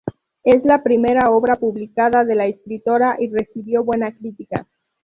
Es la primera obra publicada de la escritora y recibió buena crítica.